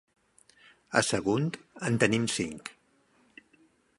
A Sagunt en tenim cinc.